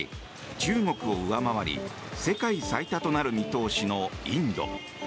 中国を上回り世界最多となる見通しのインド。